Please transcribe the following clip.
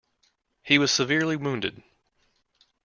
He was severely wounded.